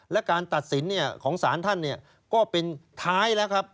และการตัดสินของสารท่านก็เป็นท้ายแล้วครับ